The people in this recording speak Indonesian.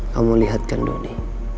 kamu lihatkan doni